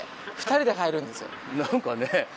２人で入るんですよ。何かね。